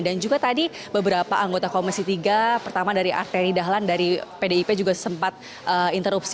dan juga tadi beberapa anggota komisi tiga pertama dari arteni dahlan dari pdip juga sempat interupsi